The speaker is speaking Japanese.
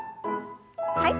はい。